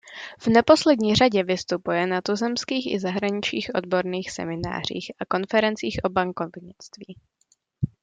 V neposlední řadě vystupuje na tuzemských i zahraničních odborných seminářích a konferencích o bankovnictví.